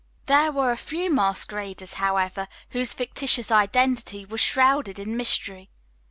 There were a few masqueraders, however, whose fictitious identity was shrouded in mystery.